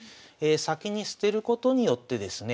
先に捨てることによってですね